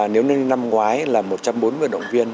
nếu như năm ngoái là một trăm bốn mươi vận động viên